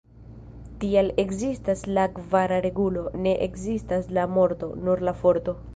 Tial ekzistas la kvara regulo: "Ne ekzistas la morto, nur la Forto".